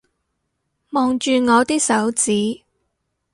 望住我啲手指